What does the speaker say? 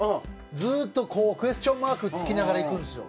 ずっとこうクエスチョンマーク付きながらいくんですよ。